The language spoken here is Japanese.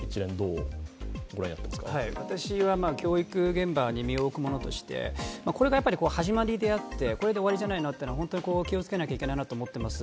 私は教育現場に身を置くものとしてこれが始まりであってこれで終わりじゃないなというのは今後気をつけないといけないと思っています。